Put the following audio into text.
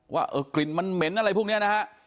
ว่ากลิ่นมันเหม็นอะไรพวกนี้นะฮะ